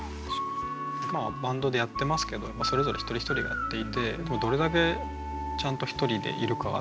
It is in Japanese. バンドでやってますけどそれぞれ一人一人がやっていてどれだけちゃんと一人でいるかが大事だと思いますね。